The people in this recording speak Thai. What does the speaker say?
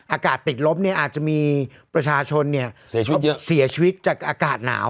อากาศติดลบเนี่ยอาจจะมีประชาชนเยอะเสียชีวิตจากอากาศหนาว